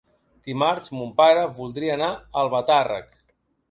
Dimarts mon pare voldria anar a Albatàrrec.